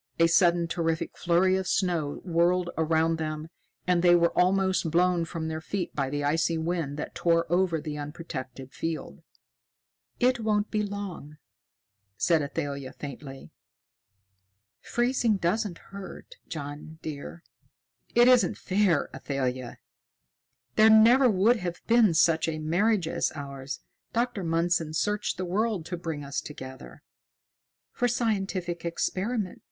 A sudden terrific flurry of snow whirled around them, and they were almost blown from their feet by the icy wind that tore over the unprotected field. "It won't be long," said Athalia faintly. "Freezing doesn't hurt, John, dear." "It isn't fair, Athalia! There never would have been such a marriage as ours. Dr. Mundson searched the world to bring us together." "For scientific experiment!"